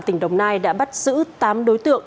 tỉnh đồng nai đã bắt giữ tám đối tượng